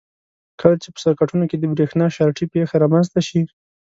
کله چې په سرکټونو کې د برېښنا شارټۍ پېښه رامنځته شي.